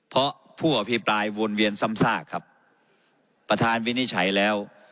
เพราะผู้อภิปรายวนเวียนซ้ำซากครับประธานวินิจฉัยแล้ว